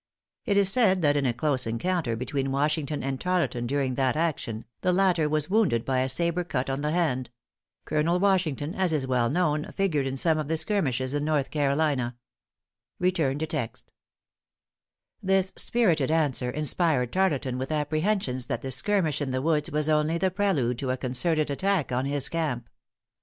It is said that in a close encounter between Washington and Tarleton during that action, the latter was wounded by a sabre cut on the hand. Colonel.Washington, as is well known, figured in some of the skirmishes in North Carolina. This spirited answer inspired Tarleton with apprehensions that the skirmish in the woods was only the prelude to a concerted attack on his camp.